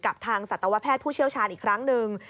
กับทางสัตวแพทย์ผู้เชี่ยวชาญอีกครั้งหนึ่ง